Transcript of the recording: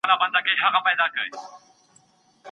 ډېر لوړ ږغ به پاڼه ړنګه نه کړي.